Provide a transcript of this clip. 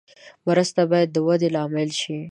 مرسته باید د ودې لامل شي.